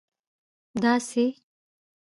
داسي